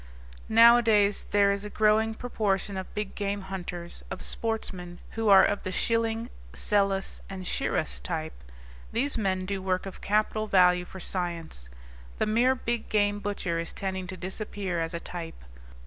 Nowadays there is a growing proportion of big game hunters, of sportsmen, who are of the Schilling, Selous, and Shiras type. These men do work of capital value for science. The mere big game butcher is tending to disappear as a type.